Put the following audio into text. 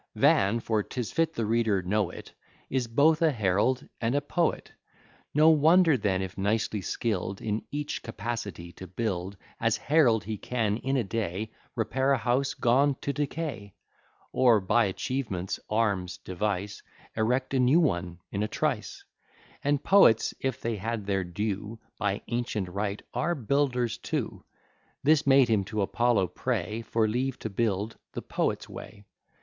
Van (for 'tis fit the reader know it) Is both a Herald and a Poet; No wonder then if nicely skill'd In each capacity to build. As Herald, he can in a day Repair a house gone to decay; Or by achievements, arms, device, Erect a new one in a trice; And poets, if they had their due, By ancient right are builders too: This made him to Apollo pray For leave to build the poets way.